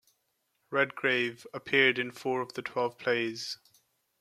Redgrave appeared in four of the twelve plays.